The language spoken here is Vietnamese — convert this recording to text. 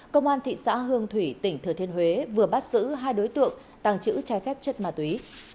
công an thị xã hương thủy tỉnh thừa thiên huế vừa bắt giữ hai đối tượng tăng chữ trái phép chất ma túy